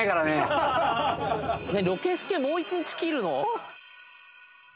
「ロケスケもう１日切るの⁉」